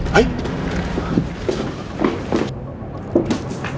ช่วยด้วย